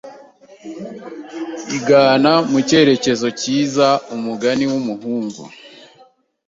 igana mu cyerekezo cyiza umugani wumuhungu